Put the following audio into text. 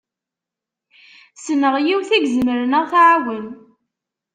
Ssneɣ yiwet i izemren ad ɣ-tɛawen.